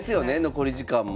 残り時間も。